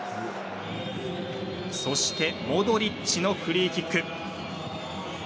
そしてモドリッチのフリーキック。